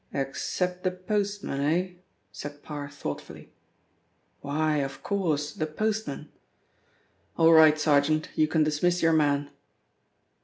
"Except the postman, eh?" said Parr thoughtfully. "Why, of course, the postman! All right, sergeant, you can dismiss your men."